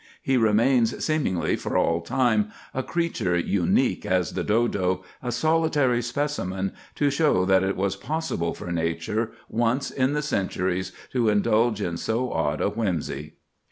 He remains, seemingly for all time, "a creature unique as the dodo, a solitary specimen, to show that it was possible for nature once in the centuries to indulge in so odd a whimsey."